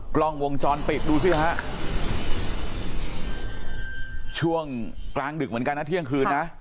กล้องวงจรปิดดูสิฮะช่วงกลางดึกเหมือนกันนะเที่ยงคืนนะ